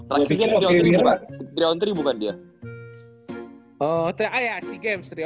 lagi ini tri on tiga bukan tri on tiga bukan dia